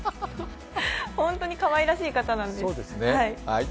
本当にかわいらしい方なんです。